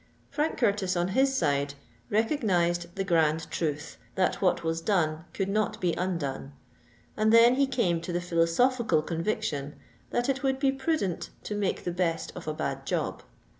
Frank Curtis, on his side, recognized the grand truth, that what was done could not be undone; and then he came to the philosophical conviction, that it would be prudent to make the best of a bad job.